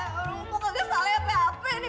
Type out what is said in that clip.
mpok kagak salah ya apa apa nih